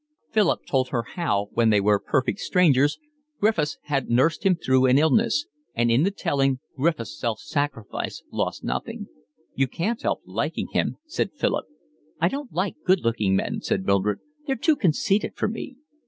Philip told her how, when they were perfect strangers, Griffiths had nursed him through an illness; and in the telling Griffiths' self sacrifice lost nothing. "You can't help liking him," said Philip. "I don't like good looking men," said Mildred. "They're too conceited for me."